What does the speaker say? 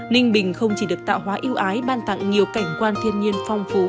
ninh bình không chỉ được tạo hóa yêu ái ban tặng nhiều cảnh quan thiên nhiên phong phú